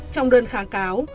trong đơn kháng cáo